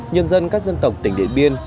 nhân dân các dân tộc tỉnh điện biên